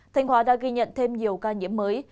thanh hóa đã ghi nhận thêm nhiều ca nhiễm mới